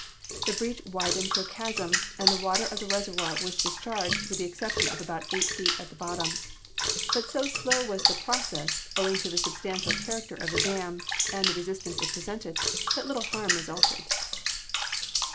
The breach widened into a chasm, and the water of the reservoir was discharged, with the exception of about eight feet at the bottom; but so slow was the process, owing to the substantial character of the dam, and the resistance it presented, that little harm resulted.